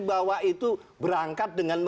bahwa itu berangkat dengan